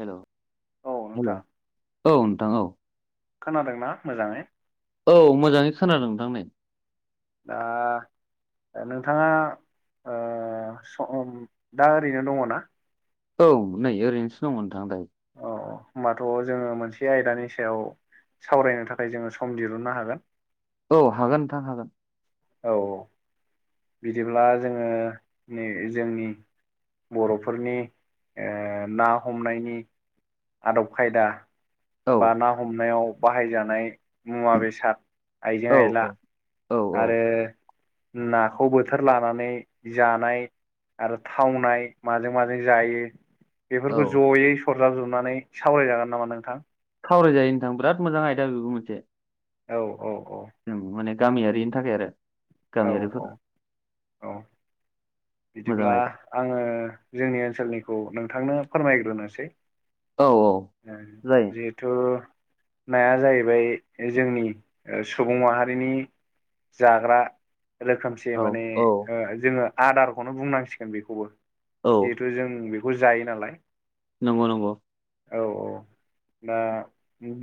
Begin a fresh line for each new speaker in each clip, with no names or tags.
हेल'
औ
हेल'
नोंथां
औ नोंथां औ
खोनादोंना मोजाङै?
औ मोजाङै खोनादों नोंथां नै।
दा नोंथाङा ओ सम दा ओरैनो दङ ना?
औ नै ओरैनोसो दंमोन नोंथां दायो।
औ ओमबाथ' जोङो मोनसे आयदानि सायाव सावरायनो थाखाय जोङो सम दिहुननो हागोन।
औ हागोन नोंथां हागोन।
औ बिदिब्ला जोङो नै जोंनि बर'फोरनि ओ ना हमनायनि आदब खायदा
औ
बा ना हमनायाव बाहायजानाय मुवा बेसाद आइजें
औ
आइला
औ औ
आरो नाखौ बोथोर लानानै जानाय आरो थावनाय माजों माजों जायो। बेफोरखौ
औ
ज'यै सरजाब जोबनानै सावरायजागोन नामा नोंथां?
सावरायजायो नोंथां बिराद मोजां आयदा बेबो मोनसे।
औ औ औ
माने गामियारिनि थाखाय आरो
औ औ
गामियारिफोरा
औ बिदिब्ला
आयदा
आङो जोंनि ओनसोलनिखौ नोंथांनो फोरमायग्रोनोसै
औ औ
ओ
जायो
जे तु नाया जाहैबाय जोंनि सुबुं माहारिनि जाग्रा रोखोम से
औ
माने
औ
ओ जोङो आदारखौनो बुंनांसिगोन बेखौबो
औ
जिहेथु जों खौ जायो नालाय
नंगौ नंगौ।
औ औ दा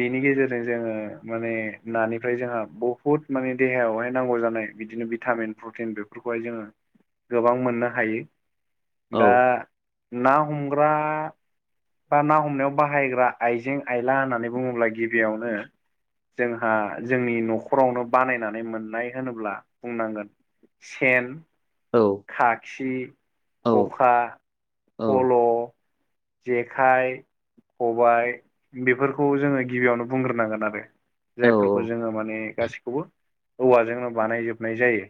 बेनि गेजेरजों जोङो माने नानिफ्राय जोंहा बहुद माने देहायावहाय नांगौ जानाय बिदिनो भिटामिन प्रटिन बेफोरखौहाय जोङो गोबां मोननो हायो
औ
दा ना हमग्रा बा ना हमनायाव बाहायग्रा आइजें आयला होननानै बुङोब्ला गिबियावनो जोंहा जोंनि न'खरावनो बानायनानै मोननाय होनोब्ला बुंनांगोन सेन,
औ
खाखि,
औ
खखा,
औ
फल' जेखाय खबाइ बेफोरखौ जोङो गिबियावनो बुंग्रोनांगोन आरो जायफोरखौ
औ
जोङो माने गासिखौबो औवाजोंनो बानायजोबनाय जायो।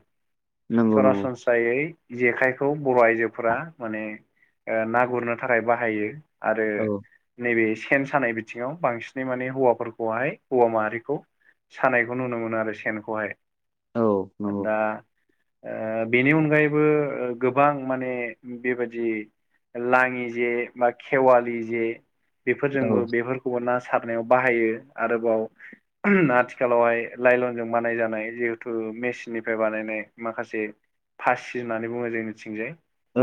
नंगौ नंगौ
सरासन जायै जेखाइखौ बर' आइजोफोरा माने ओ ना गुरनो थाखाय बाहायो आरो
औ
नैबे सेन सानाय बिथिङाव बांसिनै माने हौवाफोरखौहाय हौवा माहारिखौ सानायखौ नुनो मोनो आरो सेनखौहाय
औ नंगौ
दा ओ बेनि अनगायैबो गोबां माने बेबायदि लाङि जे बा खेवालि जे
औ
बेफोरजोंबो बेफोर अ ना सारनायाव बाहायो आरोबाव आथिखालावहाय लाइलनजों बानायजानाय जिहेथु मेचिननिफ्राय बानायनाय माखासे फासि होननानै बुङो जोंनिथिंजाय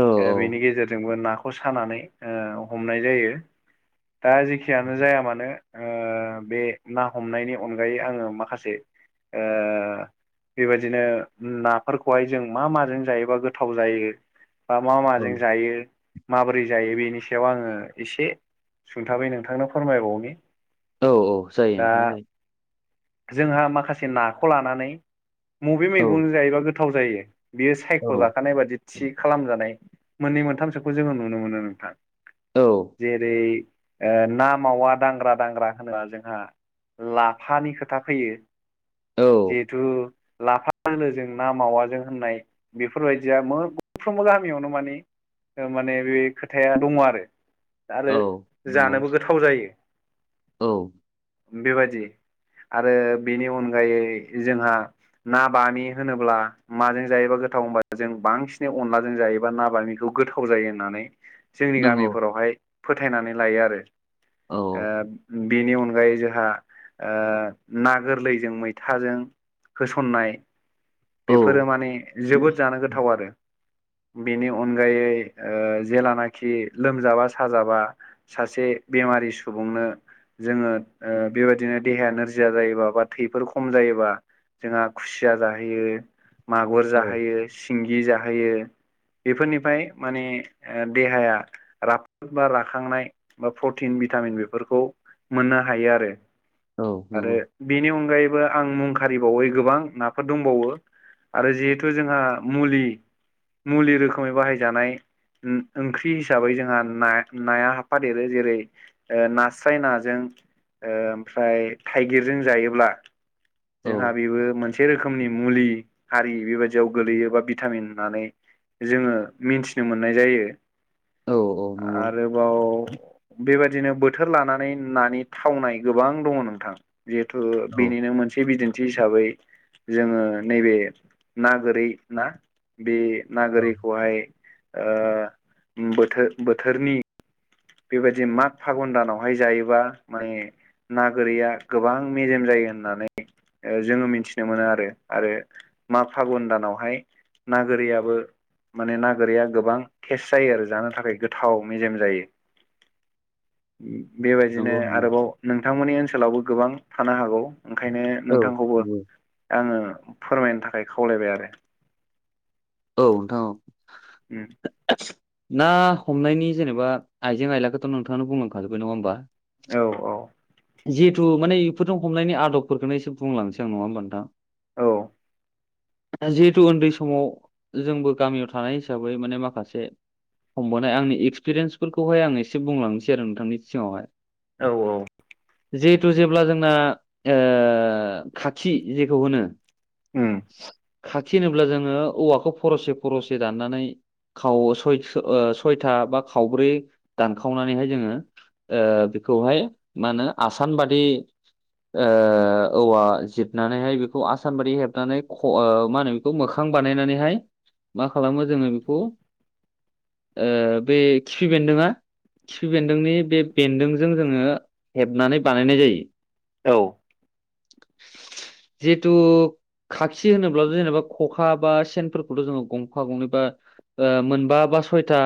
औ
ओ बेनि गेजेरजोंबो नाख खौ सानानै ओ हमनाय जायो दा जेखियानो जाया मानो ओ बे ना हमनायनि अनगायै आङो माखासे ओ बेबायदिनो नाफोरखौहाय जों मा माजों जायोबा गोथाव जायो बा मा
औ
माजों जायो माबोरै जायो बेनि सायाव आङो एसे सुंथाबै नोंथांनो फोरमायबावनि
औ औ जायो
दा
नोंथां जायो
जोंहा माखासे नाखौ लानानै मबे मैगं जायोबा गोथाव जायो बियो
औ
सायख'जाखानाय बादि थि खालामजानाय मोननै मोनथामसोखौ जोङो नुनो मोनो नोंथां
औ
जेरै ओ ना मावा दांग्रा दांग्रा होना जोंहा लाफानि खोथ खोथा फैयो
औ
जिहेथु लाफा दोलोजों ना मावाजों होननाय बेफोरबायदिया मोनफ्रोमबो गामियावनो मानि माने बे खोथाया दङ आरो आरो
औ औ
जानोबो गोथाव जायो
औ
बेबादि आरो बेनि अनगायै जोंहा ना बामि होनोब्ला माजों जायोबा गोथाव होनबा जों बांसिन अनलाजों जायोबा ना बामिखौ गोथाव जायो होननानै जोंनि
नंगौ
गामिफोरावहाय फोथायनानै लायो आरो
औ
ओ बिनि अनगायै जोहा ओ ना गोरलैजों मैथाजों होसननाय
औ
बेफोरो माने जोबोद जानो गोथाव आरो बेनि अनगायै ओ जेलानाखि लोमजाबा साजाबा सासे बेमारि सुबुंनो जोङो ओ बेबायदिनो देहाया नोरजिया जायोबा बा थैफोर खम जायोबा जोंहा खुसिया जाहोयो मागुर
औ
जाहोयो सिंगि जाहोयो बेफोरनिफ्राय माने देहाया राफोद बा राखांनाय बा प्रटिन भिटामिन बेफोरखौ मोननो हायो आरो आरो
नंगौ
बेनि अनगायैबो आं मुं खारिबावै गोबां नाफोर दंबावो आरो जेहेथु जोंहा मुलि मुलि रोखोमै बाहायजानाय ओंख्रि हिसाबै जोंहा ना नाया हाफादेरो जेरै ओ नास्राय नाजों ओम ओमफ्राय थाइगिरजों जायोब्ला
औ
जोंहा बेबो मोनसे मोनसे रोखोमनि मुलि हारि बेबायदियाव गोगलैयो बा भिटामिन होननानै जोङो मिथिनो मोननाय जायो
औ नंगौ
आरोबाव बेबायदिनो बोथोर लानानै नानि थावनाय गोबां दङ नोंथां जिहेथु
औ
बेनिनो मोनसे बिदिन्थि हिसाबै जोङो नैबे ना गोरै ना बे ना गोरिखौहाय ओ बोथोर बोथोरनि बेबायदि माग फागुन दानावहाय जायोबा माने ना गोरैआ गोबां मेजेम जायो होननानै जोङो मिथिनो मोनो आरो आरो माख फागुन दानावहाय नागोरैआबो माने नागोरैआ गोबां टेस्ट जायो आरो जानो थाखाय गोथाव मेजेम जायो उम बेबायदिनो
नंगौ नंगौ
आरोबाव नोंथांमोननि ओनसोलावबो गोबां थानो हागौ ओंखायनो
औ
नोंथांखौबो
नंगौ औ
आङो फोरमायनो थाखाय खावलायबाय आरो
औ नोंथां औ
उम
ना हमनायनि जनोबा आइजें आयलाखौथ' नोंथांआनो बुंलांखाजोब्बाय नङा होमबा
औ औ
जिहेथु माने इफोरजों हमनायनि आदबफोरखौनो एसे बुंलांनोसै आं नङा होमबा नोंथां
औ
जिहेथु उन्दै समाव जोंबो गामिआव थानाय हिसाबै माने माखासे हमबोनाय आंनि एक्सपेरियेन्सफोरखौहाय आं एसे बुंलांनोसै आरो नोंथांनि सिगांआवहाय
औ औ
जिहेथु जेब्ला जोंना ओ खाथि जेखौ होनो
उम
खाथि होनोब्ला जोङो औवाखौ फ'रसे फ'रसे दाननानै खाव सय' स'यथा बा खावब्रै दानखावनानैहाय जोङो ओ बेखौहाय मा होनो आसान बादि ओ औवा जिरनानैहाय बेखौ आसान बादि हेबनानै ख' मा होनो खौ मोखां बानायनानैहाय मा खालामो जोङो बेखौ बे ओ खिफि बेन्दोंआ खिफि बेन्दोंनि बे बेन्दोंजों जोङो हेबनानै बानायनाय जायो
औ
जिहितु खाखि होनोब्लाथ' जेनोब्ला ख'खा बा सेनफोरखौथ' जोङो गंफा गंनै बा ओ‌ मोनबा बा स'यथा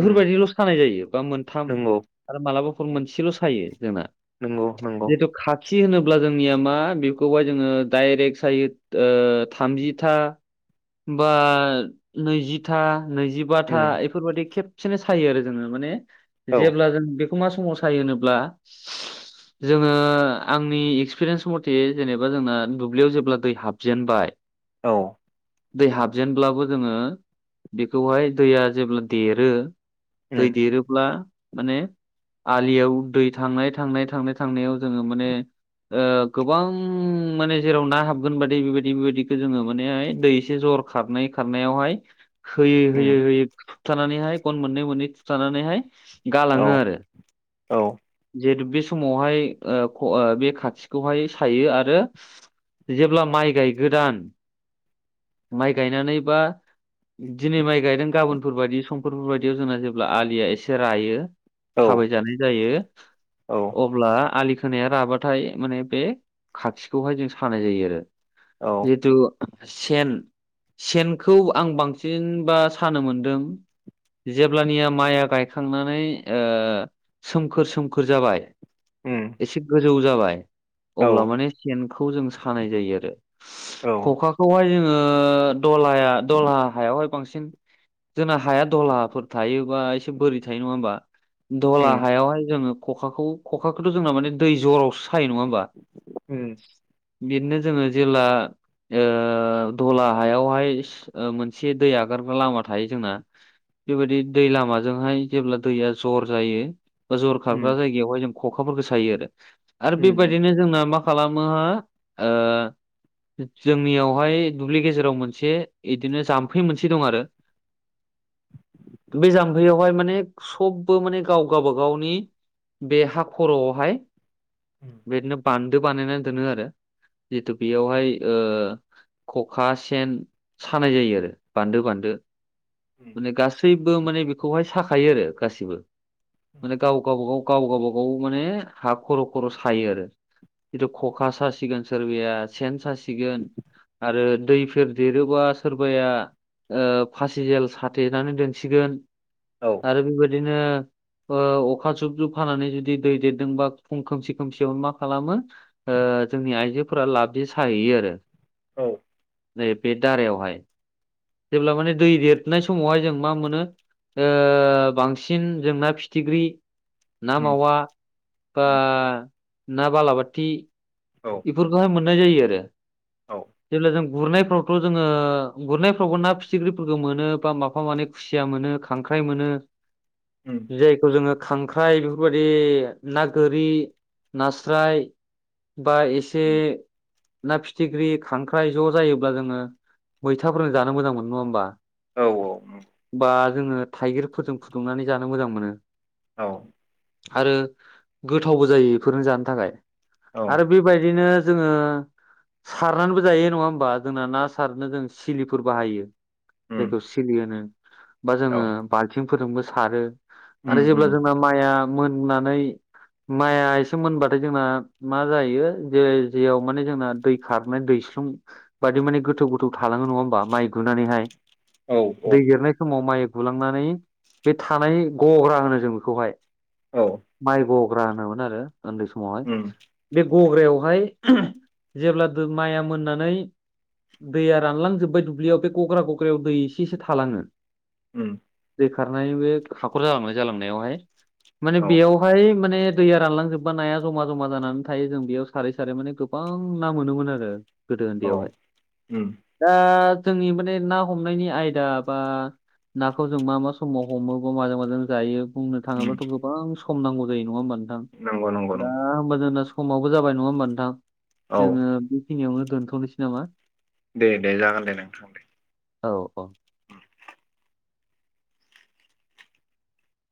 उम
सानाय जायो बा मोनथाम
नंगौ
आरो मालाबाफोर मोनसेल' सायो जोंना
नंगौ नंगौ
जिहिथु खा खि होनोब्ला जोंनिआ मा बेखौहाय जोङो डाइरेक्ट सायो थामजिथा बा नैजिथा नैजिबाथा
उम
एबा बेफोरबादि खेबसेनो सायो आरो जोङो माने
औ
जेब्ला जों बे खौ मा समावसायो होमब्ला जोङो आंनि एक्सपेरियेन्स मथे जेनोबा जोंना दुब्लिआव जेब्ला दै हाबजेनबाय
औ
दै हाबजेनब्लाबो जोङो बेखौहाय दैआ जेब्ला देरो दै
उम
देरोब्ला माने आलिआव दै थांनाय थांनाय थांनाय थांनाआव जोङो माने ओ गोबां माने जेराव ना हाबगोन बादि बेबायदि बेबायदिखौ जोङो माने दै एसे जर खारनाय खारनायावहाय होयै
उम
होयै होयै थानानैहाय गन मोननै मोननै थुबथानानैहाय
औ
गालाङो आरो
औ
जेहिथु बे समावहाय ओ ख' बे खाथिखौहाय सायो आरो जेब्ला माइ गायगैदान माइ गायनानै बा दिनै माइ गायदों गाबोनफोरबादि समफोरफोरबादिआव जोंना जेब्ला आलिआ एसे रायो
औ
थाबायजानाय जायो
औ
अब्ला आलि खोनाया राबाथाय माने बे खाखिखौहाय जों सानाय जायो आरो
औ
जिहेथु सेन सेनखौ आं बांसिनबा सानो मोनदों जेब्लानिआ माइआ गायखांनानै सोमखोर सोमखोर जाबाय
उम
एसे गोजौ जाबाय
औ
अब्ला माने सेनखौ जों सानाय जायो आरो।
औ
खखाखौहाय जोङो दलाया दला हायावहाय बांसिन जोंना हाया दहलाफोर थायोबा एसे बोरि थायो नङा होमबा? दलहा
उम
हायावहाय जोङो खखाखौ खखाखौथ' जोंना माने दै जरावसो सायो नङा होमबा?
उम।
बिदनो जोङो जेला ओ दला हायावहाय मोनसे दै आगारग्रा लामा थायो जोंना बेबायदि दै लामाजोंहाय जेब्ला दैया जर जायो बा जर
उम
खारग्रा जायगायावहाय जों ख'खाफोरखौ सायो आरो, आरो
उम
बेबायदिनो जोंना मा खालामोहा ओ जोंनियावहाय दुब्लि गेजेराव मोनसे इदिनो जाम्फै मोनसे दं आरो। बे जाम्फैयावहाय माने सबबो माने गाव गावबा गावनि बे हा खर'आवहाय
उम
बेदनो बान्दो बानायनानै दोनो आरो जिहेतु बेयावहाय ओ ख'खा सेन सानाय जायो आरो बान्दो बान्दो।
उम
माने गासैबो माने बेखौहाय साखायो आरो गासिबो
उम
माने गाव गावब गाव गाव गावबा गाव माने हा खर' खर' सायो आरो। जिथु ख'खा सासिगोन सोरबाया सेन सासि गोन आरो दैफोर देरोबा सोरबाया ओ फासि जेल साथेनानै दोनसिगोन।
औ।
आरो बेबायदिनो अखा जुब जुब हानानै जुदि दै देरदोंबा फुं खोमसि खोमसियाव मा खालामो ओ जोंनि आइजोफोरा लाबजि साहैयो आरो।
औ।
नै बे दारायावहाय जेब्ला माने दै देरनाय समावहाय जों मा मोनो ओ बांसिन जों ना फिथिग्रि ना
उम
मावा बा
उम
ना बालाबाथि
औ
एफोरखौहाय मोननाय जायो आरो।
औ
जेब्ला जों गुरनायफ्रावथ' जोङो गुरनायफ्रावबो ना फिथिख्रिफोरखौ मोनो बा माफा मानै खुसिया मोनो खांख्राइ मोनो।
उम।
जायखौ जोङो खांख्राइ बेफोरबायदि ना गोरि, नास्राय बा एसे
उम
ना फिथिख्रि खांख्राइ ज' जायोब्ला जोङो मैथाफोरजों जानो मोजां मोनो नङा होमबा?
औ औ।
बा जोङो थाइगिरफोरजों फुदुंनानै जानो मोजां मोनो।
औ।
आरो गोथावबो जायो एफोरनो जानो थाखाय।
औ
आरो बेबायदिनो जोङो सारनानैबो जायो नङा होमबा? जोंना ना सारनो जों सिलिफोर बाहायो।
उम
जायखौ सिलि होनो बा
औ
जोङो बाल्थिंफोरजोंबो सारो। आरो
उम
जेब्ला
उम
जोंना माइआ मोननानै माइआ एसे मोनबाथाय जोंना मा जायो जे जेयाव माने जोंना दै खारनाय दैस्लुं बादि माने गोथौ गोथौ थालाङो नङा होमबा माइ गुनानैहाय।
औ औ
दै देरनाय समाव माइ गुलांनानै बे थानाय गग्रा होनो जों बेखौहाय।
औ।
माइ गग्रा होनोमोन आरो उन्दै समाव
उम।
बे गग्रायावहाय जेब्ला माइया मोननानै दैया रानलांजोब्बाय दुब्लियाव बे गग्रा गग्रायाव दै एसे एसे थालाङो
उम।
दै खारनाय बे हाखर जालांनाय जालांनायावहाय माने
औ
बेयावहाय माने दैया रानलांजोबबा नाया जमा जमा जानानै थायो जों बेयाव सारै सारै माने गोबां ना मोनोमोन आरो। गोदो
औ
उन्दैयावहाय
उम
दा जोंनि माने ना हमनायनि आयदा बा नाखौ जों मा मा समाव हमो बा माजों माजों जायो बुंनो
उम
थाङोब्लााथ' गोबां सम नांगौ जायो नङा होमबा नोंथां
नंगौ नंगौ
दा
नंगौ
होमबा जोंना समावबो जाबाय नङा होमबा नोंथां
औ
जोङो बेखिनियावनो दोन्थ'नोसै नामा।
दे -दे जागोन दे नोंथां दे।
औ औ।